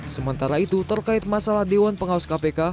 sementara itu terkait masalah dewan pengawas kpk